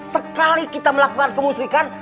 sekali kita melakukan kemusrikan